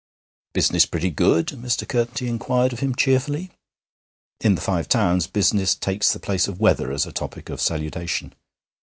'Business pretty good?' Mr. Curtenty inquired of him cheerfully. In the Five Towns business takes the place of weather as a topic of salutation.